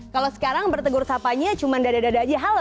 kalau sekarang bertegur sapanya cuma dadah dadah aja halo